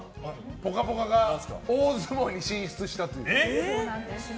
「ぽかぽか」が大相撲に進出したっていう。